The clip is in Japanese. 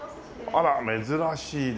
あら珍しいですね。